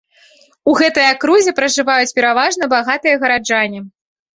У гэтай акрузе пражываюць пераважна багатыя гараджане.